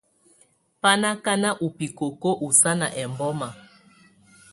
Bá ná ákaná ú bikóko ɔ́ sánà ɛbɔ́má.